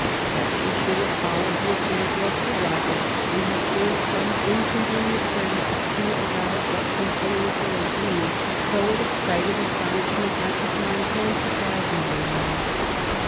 That she should have followed the example of her rival and have turned from incon venient friends to avowed but conciliatory enemies, though it excited astonishment at the time, can surprise no one now.